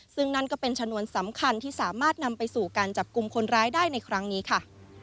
ซึ่งนั่นก็เป็นชนวนสำคัญที่สามารถนำไปสู่การจับกลุ่มคนร้ายได้ในครั้งนี้ค่ะ